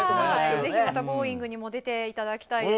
ぜひ「Ｇｏｉｎｇ！」にも出ていただきたいです。